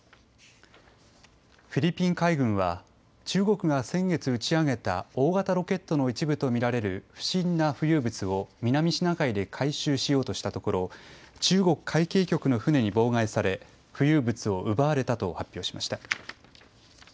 フィリピン海軍は中国が先月打ち上げた大型ロケットの一部と見られる不審な浮遊物を南シナ海で回収しようとしたところ、中国海警局の船に妨害され浮遊物を奪われたと発表しました。